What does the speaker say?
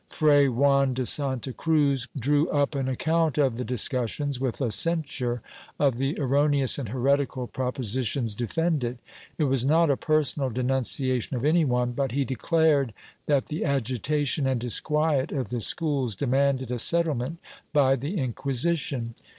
Fray Juan de Santa Cruz drew up an account of the discussions, with a censure of the erroneous and heretical proposi tions defended ; it was not a personal denunciation of any one, but he declared that the agitation and disquiet of the schools demanded a settlement by the Inquisition.